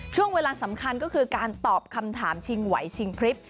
ช่วงเวลาสำคัญก็คือการตอบคำถามชิงไหวชิงพริบ